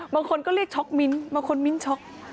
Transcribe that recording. บางคนก็เรียกช็อกมิ้นบางคนมิ้นช็อก